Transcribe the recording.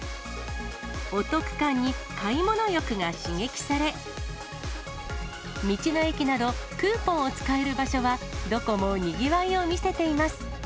お得感に買い物欲が刺激され、道の駅など、クーポンを使える場所はどこもにぎわいを見せています。